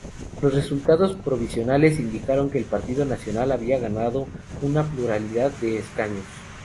Los resultados provisionales indicaron que el Partido Nacional había ganado una pluralidad de escaños.